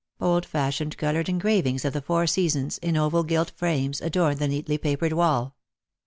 Old fashioned coloured engravings of the four seasons, in oval gilt frames, adorned the neatly papered wall.